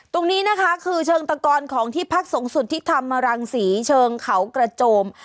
ตรงนี้นะคะคือเชิงตากรของที่ภักดิ์สงสุจรที่คำมมรังษีเชิงเขากระโจม